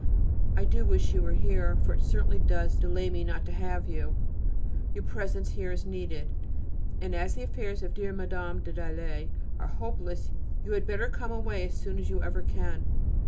I do wish you were here, for it certainly does delay me not to have you. Your presence here is needed, and as the affairs of dear Mme. de Dalet are hopeless you had better come away as soon as ever you can.